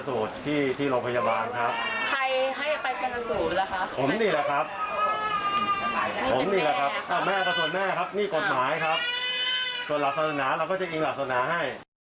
ส่วนหลักศนาเราก็จะอิงหลักศนาให้